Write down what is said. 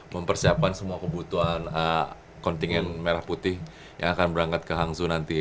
mempersiapkan semua kebutuhan kontingen merah putih yang akan berangkat ke hangzhou nanti